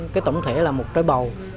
cái tổng thể là một trái bầu